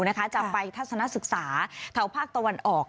จังหวัดทหวังภูนะคะจะไปทัศนะศึกษาภาพรรคตะวันออก